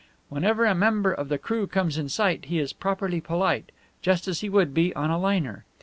Whenever a member of the crew comes in sight he is properly polite, just as he would be on a liner.